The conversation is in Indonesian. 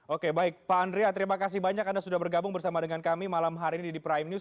oke baik pak andrea terima kasih banyak anda sudah bergabung bersama dengan kami malam hari ini di prime news